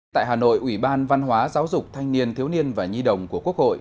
tại hà nội ủy ban văn hóa giáo dục thanh niên thiếu niên và nhi đồng của quốc hội